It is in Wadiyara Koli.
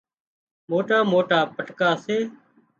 موٽا موٽا پٽا سي